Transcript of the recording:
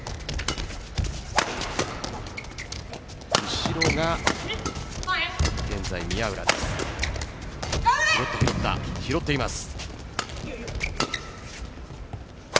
後ろが現在、宮浦です。